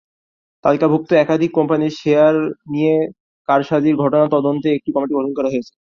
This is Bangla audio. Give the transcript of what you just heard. তালিকাভুক্ত একাধিক কোম্পানির শেয়ার নিয়ে কারসাজির ঘটনা তদন্তে একটি কমিটি গঠন করা হয়েছে।